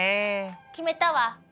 決めたわ。